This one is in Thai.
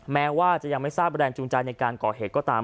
แม้ว่าจะยังไม่ทราบแรงจูงใจในการก่อเหตุก็ตาม